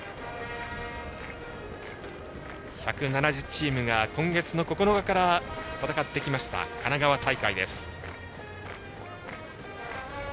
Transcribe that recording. １７０チームが今月９日から戦ってきた神奈川大会です。